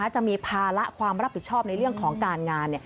จะมีภาระความรับผิดชอบในเรื่องของการงาน